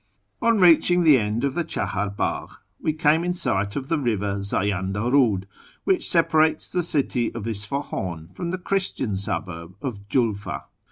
On reaching the end of the Chah; ir Bagh we came in sight of the river Zayanda Paid, which separates the city of Isfahan from the Christian suburb of Julfa.